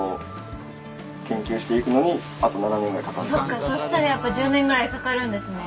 そうかそしたらやっぱ１０年ぐらいかかるんですね。